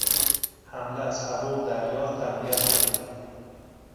حمله از هوا و دریا تقویت شد.